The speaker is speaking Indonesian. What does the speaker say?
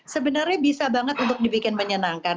sebenarnya bisa banget untuk dibikin menyenangkan